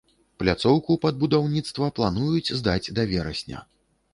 Пляцоўку пад будаўніцтва плануюць здаць да верасня.